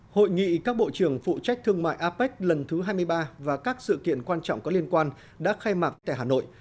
hội nghị các bộ trưởng phụ trách thương mại apec lần thứ hai mươi ba và các sự kiện quan trọng có liên quan đã khai mạc tại hà nội